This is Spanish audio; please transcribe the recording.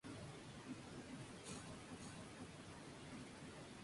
Ella es derrotada por Mujer Maravilla y capturada por Flash.